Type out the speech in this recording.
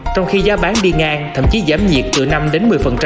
trong khi giá bán đi ngang thậm chí giảm nhiệt từ năm đến một mươi